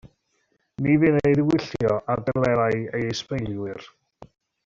Ni fynn ei ddiwyllio ar delerau ei ysbeilwyr.